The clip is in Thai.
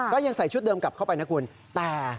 ก็ยังใส่ชุดเดิมกลับเข้าไปนะคุณแต่